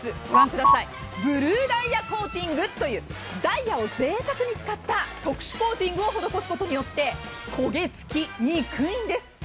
ブルーダイヤコーティングというダイヤをぜいたくに使った特殊コーティングを施すことによって焦げつきにくいんです。